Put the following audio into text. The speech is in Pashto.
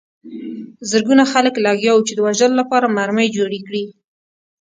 زرګونه خلک لګیا وو چې د وژلو لپاره مرمۍ جوړې کړي